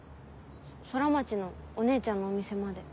空町のお姉ちゃんのお店まで。